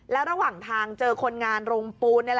แล้วระหว่างทางเจอคนงานโรงปูน